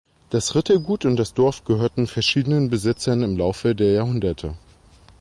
Das Rittergut und das Dorf gehörten verschiedenen Besitzern im Laufe der Jahrhunderte.